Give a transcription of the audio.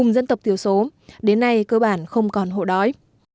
đến nay cơ bản không còn hộ đói